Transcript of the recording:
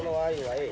ええ。